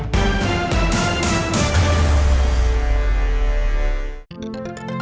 โดย